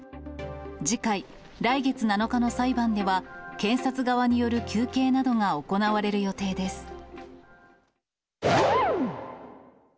次回、来月７日の裁判では、検察側による求刑などが行われる予定です。